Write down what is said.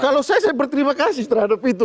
kalau saya saya berterima kasih terhadap itu